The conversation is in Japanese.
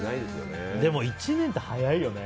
でも１年って早いよね。